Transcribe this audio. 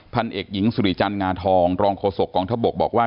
พันเอกหญิงสุริจันทร์งาทองรองโฆษกองทบกบอกว่า